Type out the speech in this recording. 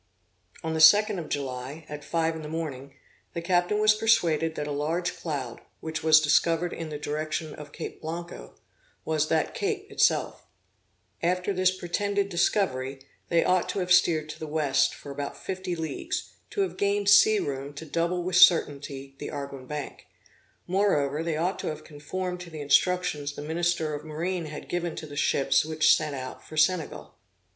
On the second of July, at five in the morning, the captain was persuaded that a large cloud, which was discovered in the direction of Cape Blanco, was that Cape itself. After this pretended discovery, they ought to have steered to the west, for about fifty leagues, to have gained sea room to double with certainty the Arguin Bank; moreover, they ought to have conformed to the instructions the Minister of Marine had given to the ships which set out for Senegal.